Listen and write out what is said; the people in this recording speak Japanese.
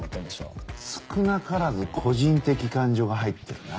少なからず個人的感情が入ってるな。